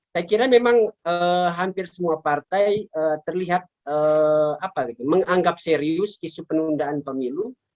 saya kira memang hampir semua partai terlihat menganggap serius isu penundaan pemilu